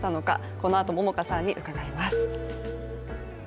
このあと、桃花さんに伺います。